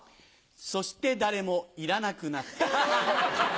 「そして誰もいらなくなった」。